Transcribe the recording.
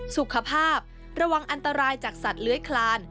สุขภาพระวังอันตรายจากสัตว์เลื้อยคลาน